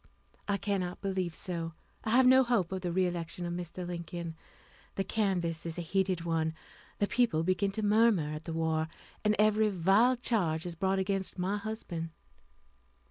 "I cannot believe so. I have no hope of the re election of Mr. Lincoln. The canvass is a heated one, the people begin to murmur at the war, and every vile charge is brought against my husband."